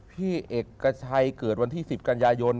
พี่เอกการ์ชัยเกิดวันที่สิบกันยายน